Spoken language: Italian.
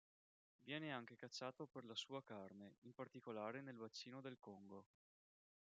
Viene anche cacciato per la sua carne, in particolare nel bacino del Congo.